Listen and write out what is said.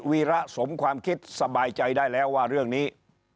วีระสมความคิดสบายใจได้แล้วว่าเรื่องนี้